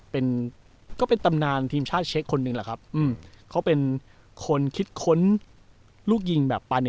เป็นก็เป็นตำนานทีมชาติเช็คคนหนึ่งแหละครับอืมเขาเป็นคนคิดค้นลูกยิงแบบปาเน